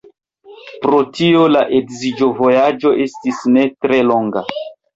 Pro tio la edziĝovojaĝo estis ne tre longa.